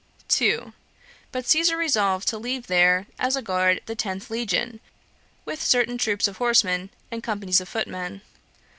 But Caesar resolved to leave there, as a guard, the tenth legion, with certain troops of horsemen, and companies of footmen.